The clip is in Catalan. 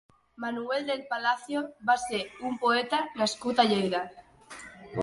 Manuel del Palacio va ser un poeta nascut a Lleida.